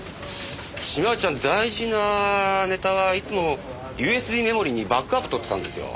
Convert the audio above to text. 島内ちゃん大事なネタはいつもＵＳＢメモリーにバックアップとってたんですよ。